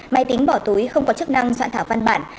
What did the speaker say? máy tính bỏ túi không có chức năng soạn thảo văn bản